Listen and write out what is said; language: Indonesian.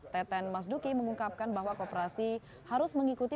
teten mas duki mengungkapkan bahwa kooperasi harus mengikuti